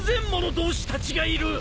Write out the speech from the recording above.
同志たちがいる！